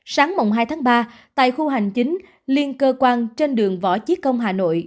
sáng mộng hai tháng ba tại khu hành chính liên cơ quan trên đường võ chiếc công hà nội